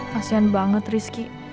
kasian banget rizky